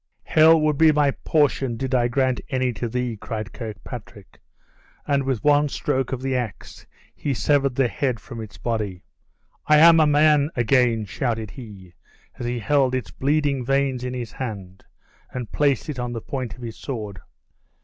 "Hell would be my portion did I grant any to thee," cried Kirkpatrick; and with one stroke of the ax he severed the head from its body. "I am a man again!" shouted he, as he held its bleeding veins in his hand, and placed it on the point of his sword.